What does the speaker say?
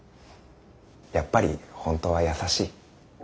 やっぱり本当は優しい。